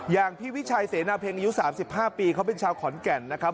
อย่างพี่วิชัยเสนาเพ็งอายุ๓๕ปีเขาเป็นชาวขอนแก่นนะครับ